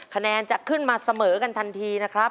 คะแนนจะขึ้นมาเสมอกันทันทีนะครับ